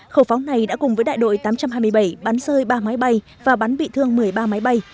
khẩu pháo này đã cùng với đại đội tám trăm hai mươi bảy bắn rơi ba máy bay và bắn bị thương một mươi ba máy bay